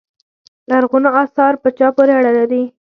لرغونو اثار په چا پورې اړه لري.